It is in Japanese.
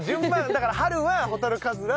だから春はホタルカズラ。